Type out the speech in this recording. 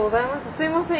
すみません